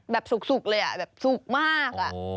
แบบสุกเลยสุกมาก